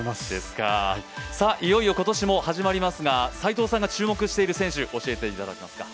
いよいよ今年も始まりますが注目している選手を教えていただけますか。